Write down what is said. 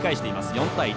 ４対１。